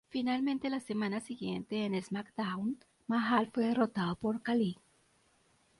Finalmente, la semana siguiente en SmackDown, Mahal fue derrotado por Khali.